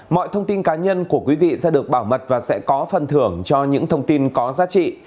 mọi thông tin cá nhân của quý vị sẽ được bảo mật và sẽ có phần thưởng cho những thông tin có giá trị